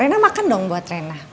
rena makan dong buat rena